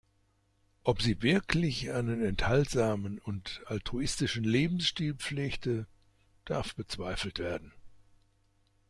Ob sie wirklich einen enthaltsamen und altruistischen Lebensstil pflegte, darf bezweifelt werden.